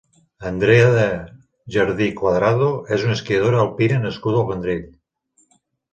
Andrea Jardí Cuadrado és una esquiadora alpina nascuda al Vendrell.